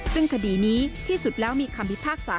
ซึ่งคดีนี้ที่สุดแล้วมีคำพิพากษา